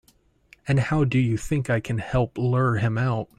And how do you think I can help lure him out?